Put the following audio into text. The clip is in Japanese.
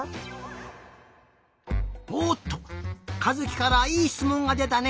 おっとかずきからいいしつもんがでたね！